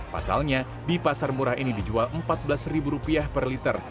pasalnya di pasar murah ini dijual empat belas ribu rupiah per liter